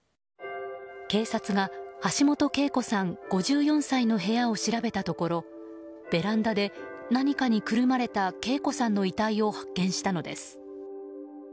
警察が橋本啓子さん、５４歳の部屋を調べたところベランダで何かにくるまれた啓子さんの遺体を発見したのです。